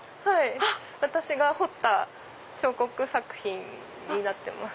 私が彫った彫刻作品になってます。